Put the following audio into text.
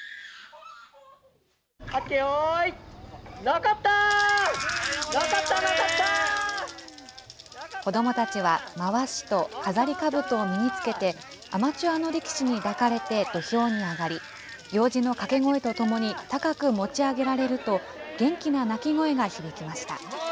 はっけよーい、子どもたちは、まわしと飾りかぶとを身につけて、アマチュアの力士に抱かれて土俵に上がり、行司の掛け声とともに高く持ち上げられると、元気な泣き声が響きました。